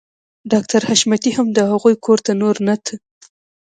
ډاکټر حشمتي هم د هغوی کور ته نور نه ته